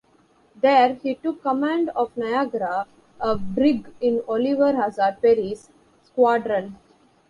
There, he took command of "Niagara", a brig in Oliver Hazard Perry's squadron.